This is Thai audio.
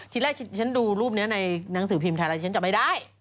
ที่แรกฉันดูรูปนี้ในหนังสือพิมพ์ไทยรัฐฉันจำไม่ได้